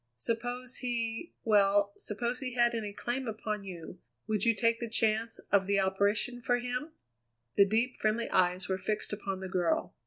"Suppose he well, suppose he had any claim upon you, would you take the chance of the operation for him?" The deep, friendly eyes were fixed upon the girl.